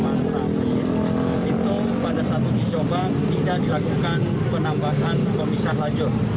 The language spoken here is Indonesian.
kalau mulai di jalan sudirman tamrin itu pada satu uji coba tidak dilakukan penambahan pemisah lajur